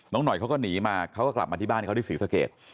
หน่อยเขาก็หนีมาเขาก็กลับมาที่บ้านเขาที่ศรีสเกต